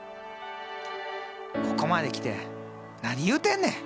ここまで来て何言うてんねん！